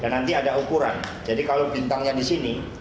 dan nanti ada ukuran jadi kalau bintangnya di sini